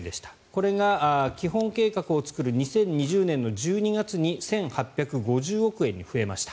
これが基本計画を作る２０２０年１２月に１８５０億円に増えました。